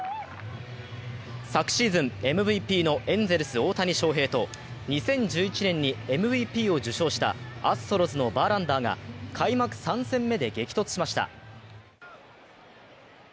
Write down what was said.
昨シーズンＭＶＰのエンゼルス・大谷翔平と２０１１年にＭＶＰを受賞したアストロズのバーランダーが開幕３戦目で激突しました。